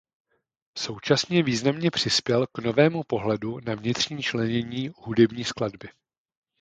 Současně významně přispěl k novému pohledu na vnitřní členění hudební skladby.